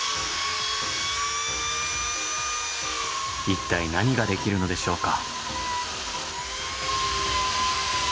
一体何ができるのでしょうか？